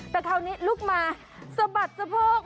แต่คราวนี้ลุกมาสะบัดสะโพก